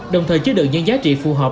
đồng thời chứa được những giá trị phù hợp